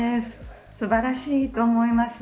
素晴らしいと思います。